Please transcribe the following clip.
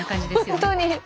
本当に。